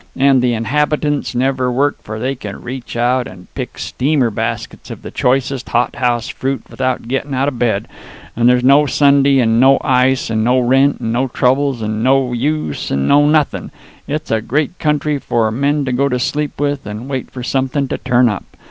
And the inhabitants never work, for they can reach out and pick steamer baskets of the choicest hothouse fruit without gettin' out of bed. And there's no Sunday and no ice and no rent and no troubles and no use and no nothin'. It's a great country for a man to go to sleep with, and wait for somethin' to turn up.